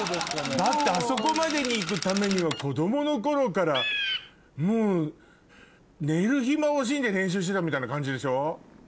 だってあそこまでに行くためには子供の頃からもう寝る暇惜しんで練習してたみたいな感じでしょ？